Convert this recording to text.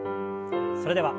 それでは１。